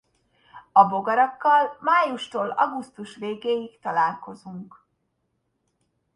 A bogarakkal májustól augusztus végéig találkozunk.